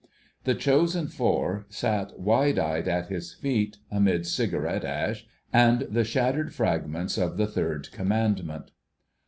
The Chosen Four sat wide eyed at his feet amid cigarette ash and the shattered fragments of the Third Commandment.